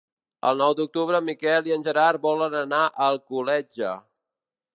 El nou d'octubre en Miquel i en Gerard volen anar a Alcoletge.